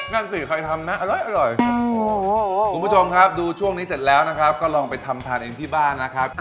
นั่นสิใครทำนะอร่อยคุณผู้ชมครับดูช่วงนี้เสร็จแล้วนะครับก็ลองไปทำทานเองที่บ้านนะครับ